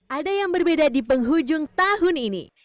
ada yang berbeda di penghujung tahun ini